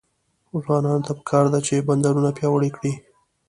ځوانانو ته پکار ده چې، بندرونه پیاوړي کړي.